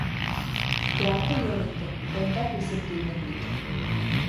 Ярты йыл инде, бында күсеп килдем бит.